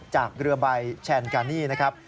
จากเรือใบแชนกานี่นะครับ